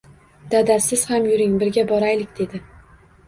Dada, siz ham yuring, birga boraylik, dedi